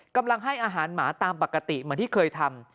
กำลังให้อาหารหมาตามปกติเหมือนที่เคยทำ